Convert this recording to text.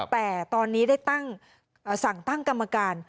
แต่ตอนนี้ได้สั่งตั้งกรรมการ